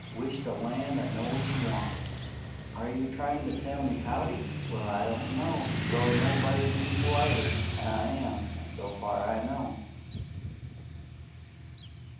Wish to land I knowed what you want! Are you tryin' to tell me `Howdy'? Well, I don't 'low nobody to be politer 'an I am, so far as I know."